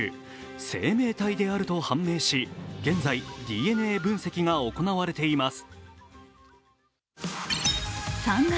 生命体であると判明し現在、ＤＮＡ分析が行われています。